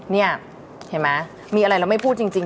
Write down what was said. นี่เห็นไหมมีอะไรเราไม่พูดจริง